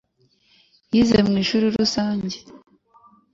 Yize mu ishuri rusange.